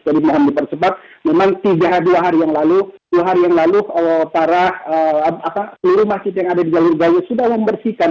jadi mohamud tersebut memang tiga dua hari yang lalu dua hari yang lalu para seluruh masjid yang ada di jalur gaza sudah membersihkan